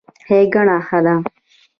ښېګړه ښه ده.